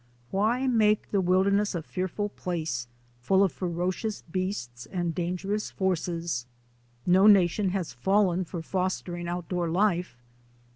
Why make the wilderness a fearful place, full of ferocious beasts and dangerous forces? No na tion has fallen for fostering outdoor life.